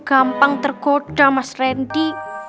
gampang tergoda mas rendi